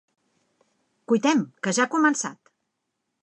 Cuitem, que ja ha començat!